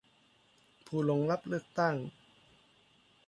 ผู้ลงรับเลือกตั้ง